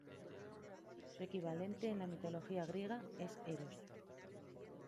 Su equivalente en la mitología griega es Eros.